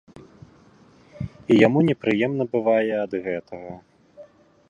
І яму непрыемна бывае ад гэтага.